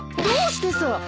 どうしてさ。